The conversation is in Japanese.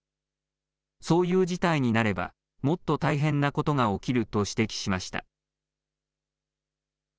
そういう事態になればもっと大変なことが起きると指摘しました。